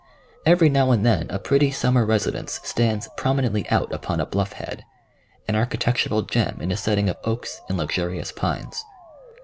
Every now and then a pretty summer residence stands prominently out upon a bluff head, an architectural gem in a setting of oaks and luxurious pines.